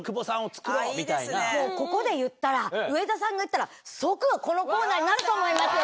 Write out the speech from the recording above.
もうここで言ったら、上田さんが言ったら、即このコーナーになると思います。